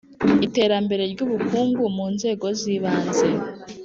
Iterambere ry’ ubukungu mu nzego z ‘ibanze